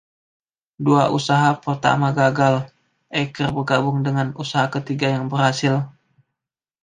Dua usaha pertama gagal; Akers bergabung dengan usaha ketiga yang berhasil.